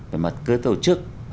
về mặt cơ tổ chức